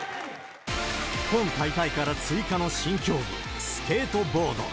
今大会から追加の新競技、スケートボード。